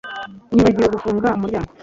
Nibagiwe gufunga umuryango